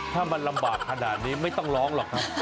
ถ้ามันลำบากขนาดนี้ไม่ต้องร้องหรอกครับ